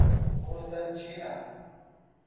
Constantina